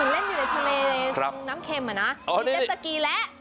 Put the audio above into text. เหมือนเล่นอยู่ในทะเลน้ำเค็มอ่ะนะมีเจ็ดสกีแล้ว